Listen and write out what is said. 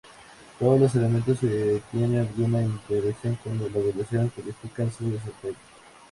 Todos los elementos que tienen alguna interacción con el evaluado califican su desempeño.